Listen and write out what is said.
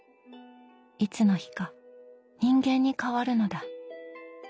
「いつの日か人間に変わるのだ」。